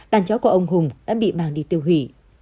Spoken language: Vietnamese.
đàn chó của ông hùng đã bị mang đi tiêu hủy